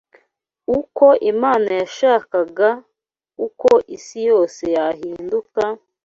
uko Imana yashakaga uko isi yose yahinduka,